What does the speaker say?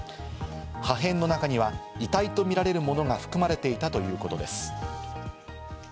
破片の中には遺体とみられるものが含まれていたということです。